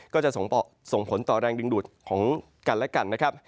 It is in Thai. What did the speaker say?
ก็จะส่งผลต่อแรงดึงดูดของกันและกันนะครับ